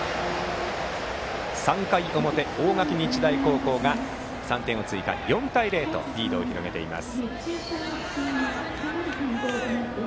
３回の表、大垣日大高校が３点を追加して４対０とリードを広げています。